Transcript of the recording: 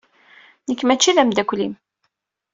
Nekk mačči d ameddakel-im.